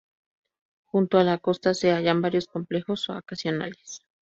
Junto a la costa se hallan varios complejos vacacionales.